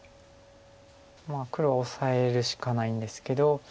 黒オサえるしかないんですけど。